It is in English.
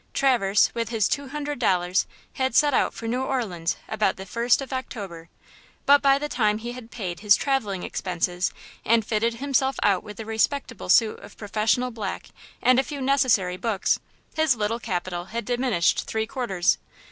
Traverse, with his two hundred dollars, had set out for New Orleans about the first of October. But by the time he had paid his travelling expenses and fitted himself out with a respectable suit of professional black and a few necessary books, his little capital had diminished three quarters.